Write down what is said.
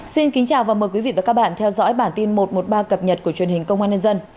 xin kính chào và mời quý vị và các bạn theo dõi bản tin một trăm một mươi ba cập nhật của truyền hình công an nhân dân